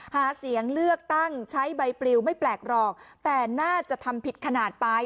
หาเสียงเลือกตั้งใช้ใบปลิวไม่แปลกหรอกแต่น่าจะทำผิดขนาดไป